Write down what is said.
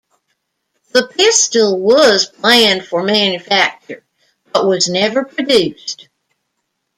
The pistol was planned for manufacture but was never produced.